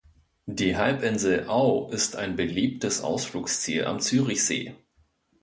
Die Halbinsel Au ist ein beliebtes Ausflugsziel am Zürichsee.